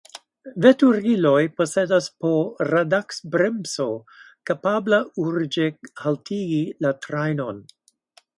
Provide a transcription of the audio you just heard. Veturiloj posedas po radaks-bremso, kapabla urĝe haltigi la trajnon.